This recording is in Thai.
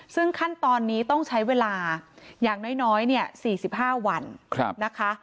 ซึ่งขั้นตอนนี้ต้องใช้เวลาอย่างน้อย๔๕วันนะคะ